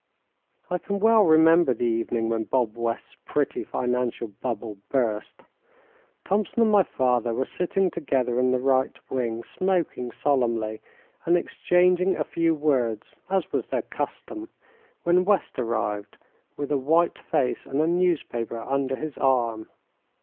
"I can well remember the evening when Bob West's pretty financial bubble burst. Thompson and my father were sitting together in the right wing, smoking solemnly, and exchanging a few words, as was their custom, when West arrived with a while face, and a newspaper under his arm.